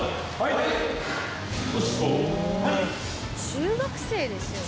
中学生ですよね？